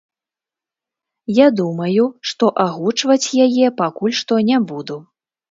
Я думаю, што агучваць яе пакуль што не буду.